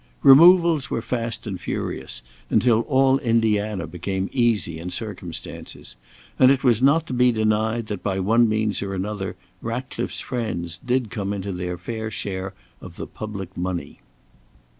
Removals were fast and furious, until all Indiana became easy in circumstances. And it was not to be denied that, by one means or another, Ratcliffe's friends did come into their fair share of the public money.